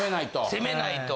攻めないと。